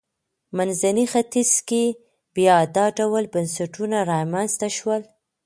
منځني ختیځ کې بیا دا ډول بنسټونه رامنځته شول.